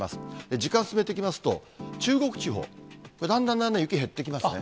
時間進めていきますと、中国地方、だんだんだんだん雪減ってきますね。